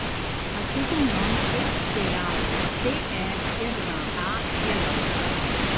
El seu cognom és Peral: pe, e, erra, a, ela.